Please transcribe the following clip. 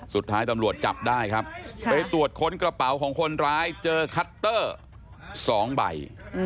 สุดท้ายตำรวจจับได้ครับไปตรวจค้นกระเป๋าของคนร้ายเจอคัตเตอร์๒ใบ